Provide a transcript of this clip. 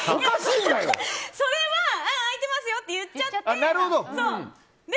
それは空いてますよって言っちゃって。